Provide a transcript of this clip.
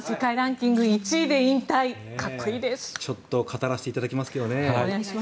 ちょっと語らしていただきますけどね。